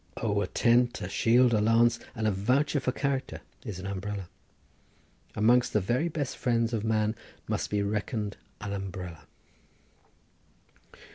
O, a tent, a shield, a lance and a voucher for character is an umbrella. Amongst the very best friends of man must be reckoned an umbrella.